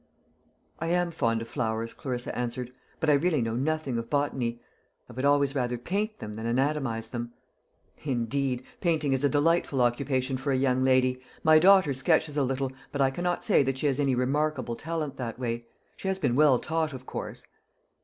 "I am fond of flowers," Clarissa answered, "but I really know nothing of botany. I would always rather paint them than anatomise them." "Indeed! Painting is a delightful occupation for a young lady. My daughter sketches a little, but I cannot say that she has any remarkable talent that way. She has been well taught, of course."